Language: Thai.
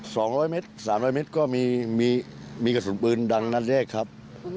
สองร้อยเมตรสามร้อยเมตรก็มีมีกระสุนปืนดังนัดแรกครับ